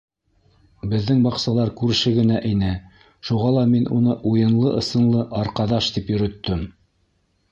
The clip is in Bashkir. Беҙҙең баҡсалар күрше генә ине, шуға ла мин уны, уйынлы-ысынлы, арҡаҙаш тип йөрөттөм.